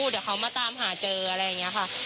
เดี๋ยวเขามาตามหาเจออะไรอย่างนี้ค่ะ